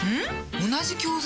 同じ教材？